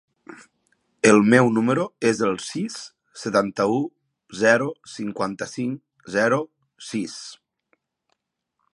El meu número es el sis, setanta-u, zero, cinquanta-cinc, zero, sis.